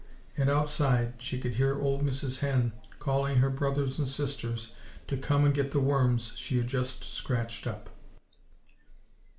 And outside she could hear old Mrs. Hen calling her brothers and sisters to come and get the worms she had just scratched up."